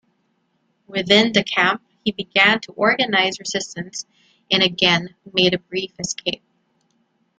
Within the camp, he began to organize resistance, and again made a brief escape.